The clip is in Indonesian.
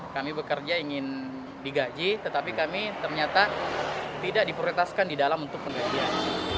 kami bekerja ingin digaji tetapi kami ternyata tidak diprioritaskan di dalam untuk penggajian